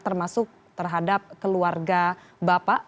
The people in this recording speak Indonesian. termasuk terhadap keluarga bapak